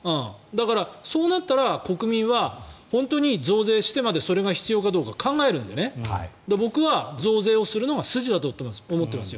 だから、そうなったら国民は本当に増税してまでそれが必要かどうか考えるので僕は増税をするのが筋だと思ってます。